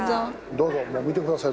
どうぞ見てください。